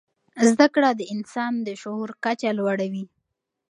زده کړه د انسان د شعور کچه لوړوي.